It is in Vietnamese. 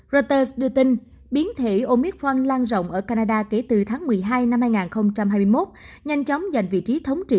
roters đưa tin biến thể omitron lan rộng ở canada kể từ tháng một mươi hai năm hai nghìn hai mươi một nhanh chóng giành vị trí thống trị